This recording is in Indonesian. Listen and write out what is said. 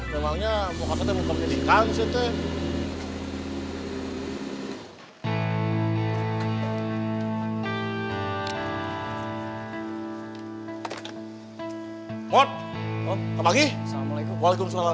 memangnya buka pakaian muka pendidikan sih teh